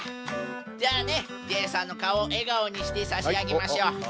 じゃあねジェイさんのかおをえがおにしてさしあげましょう。